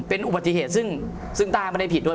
เป็นอุบัติเหตุซึ่งต้าไม่ได้ผิดด้วย